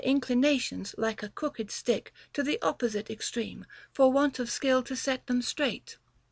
139 inclinations, like a crooked stick, to the opposite extreme, for want of skill to set them straight.